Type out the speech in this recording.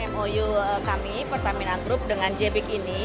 mou kami pertamina group dengan jbik ini